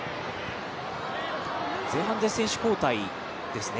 前半で選手交代ですね。